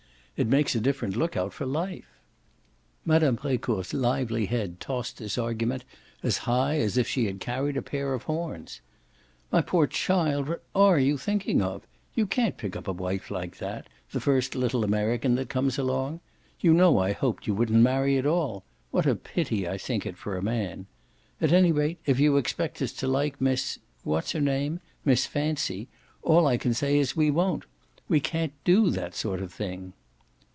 It makes a different look out for life." Mme. Brecourt's lively head tossed this argument as high as if she had carried a pair of horns. "My poor child, what are you thinking of? You can't pick up a wife like that the first little American that comes along. You know I hoped you wouldn't marry at all what a pity I think it for a man. At any rate if you expect us to like Miss what's her name? Miss Fancy, all I can say is we won't. We can't DO that sort of thing!"